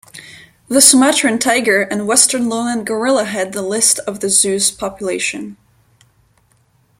The Sumatran tiger, and western lowland gorilla head the list of the zoo's population.